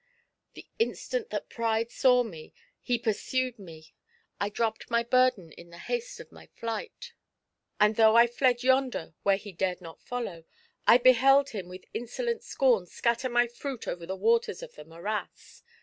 The instant that Pride saw me, he pursued me : I dropped my burden in the haste of my flight ; and though I fled yonder where he dared not follow, I beheld him with insolent scorn scatter my fruit over the waters of the morals.